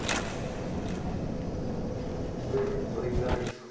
これでどれぐらいですか？